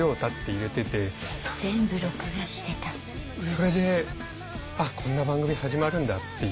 それであっこんな番組始まるんだっていう。